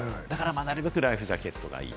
なるべくライフジャケットがいい。